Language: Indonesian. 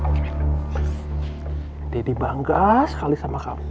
bangga sekali sama kamu